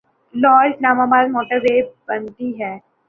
Lahore Islamabad motorway بنتی ہے۔